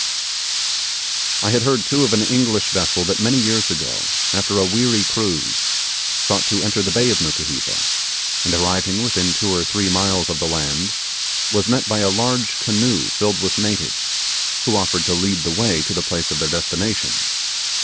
I had heard too of an English vessel that many years ago, after a weary cruise, sought to enter the bay of Nukuheva, and arriving within two or three miles of the land, was met by a large canoe filled with natives, who offered to lead the way to the place of their destination.